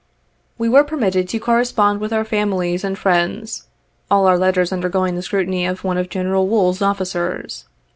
We were permitted to correspond with our families and friends, all our letters undergoing the scrutiny of one of General Wool's officers.